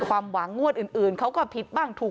ความปลอดภัยของนายอภิรักษ์และครอบครัวด้วยซ้ำ